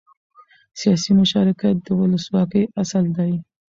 سیاسي مشارکت د ولسواکۍ اصل دی